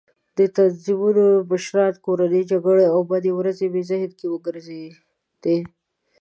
د تنظیمونو مشران، کورنۍ جګړې او بدې ورځې مې ذهن کې وګرځېدې.